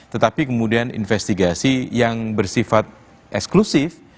tetapi kemudian investigasi yang bersifat eksklusif